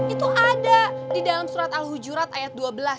itu ada di dalam surat al hujurat ayat dua belas